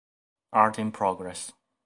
Art in progress".